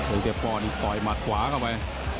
อุ้ยเศรษฐ์ป่อนอีกต่อยมัดขวาเข้าไป